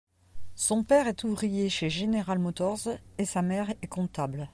Son père est ouvrier chez General Motors, et sa mère comptable.